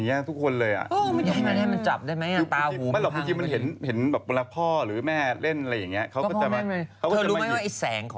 อยู่ในห้าป้ามะบอกว่ามึงดูไม่ได้นะลูก